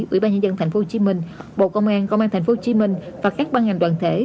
ủy ban nhân dân tp hcm bộ công an công an tp hcm và các ban ngành đoàn thể